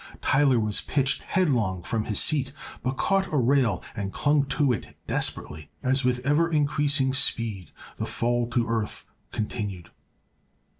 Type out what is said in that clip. Tyler was pitched headlong from his seat, but caught a rail and clung to it desperately as with ever increasing speed the fall to earth continued.